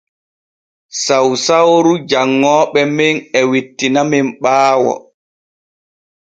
Sausauru janŋooɓe men e wittinamen ɓaawo.